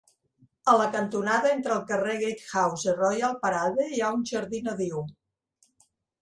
A la cantonada entre el carrer Gatehouse i Royal Parade hi ha un jardí nadiu.